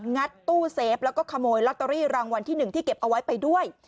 งัดตู้เซฟแล้วก็ขโมยลอตเตอรี่รางวัลที่๑ที่เก็บเอาไว้ไปด้วย